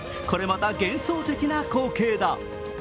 これまた、幻想的な光景だ。